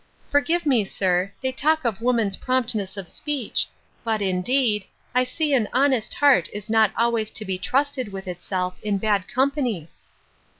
Forgive me, sir; they talk of women's promptness of speech; but, indeed, I see an honest heart is not always to be trusted with itself in bad company.